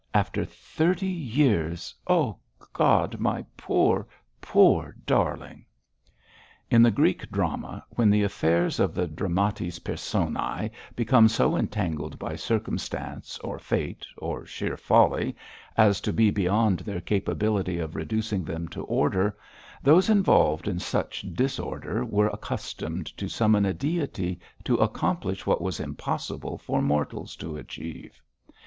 After thirty years, oh God! my poor, poor darling!' In the Greek drama, when the affairs of the dramatis personæ became so entangled by circumstance, or fate, or sheer folly as to be beyond their capability of reducing them to order, those involved in such disorder were accustomed to summon a deity to accomplish what was impossible for mortals to achieve.